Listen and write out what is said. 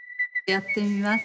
やってみます